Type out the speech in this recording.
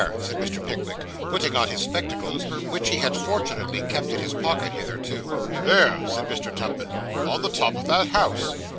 said Mr. Pickwick, putting on his spectacles, which he had fortunately kept in his pocket hitherto. 'There,' said Mr. Tupman, 'on the top of that house.